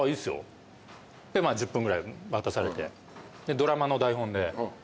ドラマの台本で。